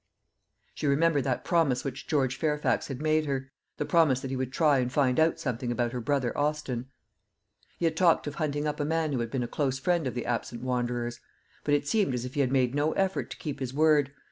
She remembered that promise which George Fairfax had made her the promise that he would try and find out something about her brother Austin. He had talked of hunting up a man who had been a close friend of the absent wanderer's; but it seemed as if he had made no effort to keep his word.